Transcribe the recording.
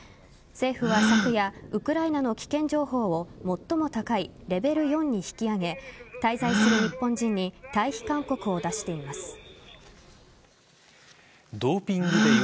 政府は昨夜ウクライナの危険情報を最も高いレベル４に引き上げ滞在する日本人に退避勧告を出しています。